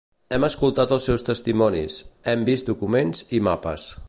Hem escoltat els seus testimonis, hem vist documents i mapes.